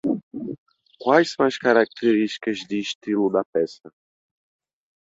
Quais são as características de estilo da peça?